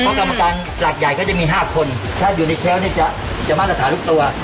เพราะกรรมการหลักใหญ่ก็จะมี๕คนถ้าอยู่ในแค้วนี่จะมาตรฐานทุกตัว